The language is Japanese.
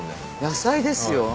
野菜ですよ。